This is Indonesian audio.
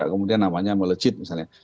kemudian namanya melecet misalnya